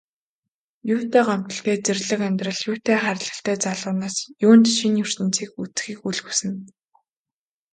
Юутай гомдолтой зэрлэг амьдрал, юутай хайрлалтай залуу нас, юунд шинэ ертөнцийг үзэхийг үл хүснэ.